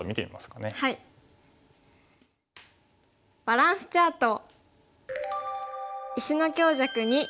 バランスチャート。